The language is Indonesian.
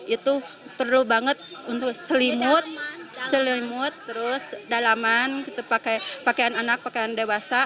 itu perlu banget untuk selimut selimut terus dalaman pakaian anak pakaian dewasa